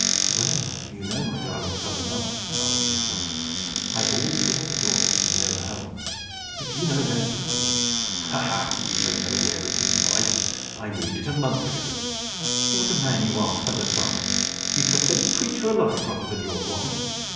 "Well, you know, my darling Thunderthump," answered his wife, "I always thought it ought to be nearer home. But you know best, of course." "Ha! ha! You don't know where it is, wife. I moved it a month ago." "What a man you are, Thunderthump! You trust any creature alive rather than your wife."